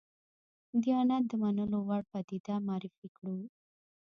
دیانت د منلو وړ پدیده معرفي کړو.